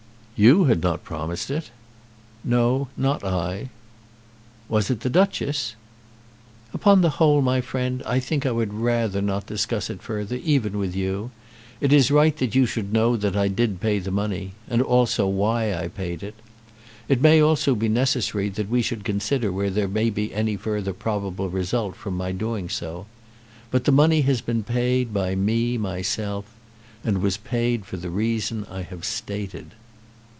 "You had not promised it?" "No; not I." "Was it the Duchess?" "Upon the whole, my friend, I think I would rather not discuss it further, even with you. It is right that you should know that I did pay the money, and also why I paid it. It may also be necessary that we should consider whether there may be any further probable result from my doing so. But the money has been paid, by me myself, and was paid for the reason I have stated."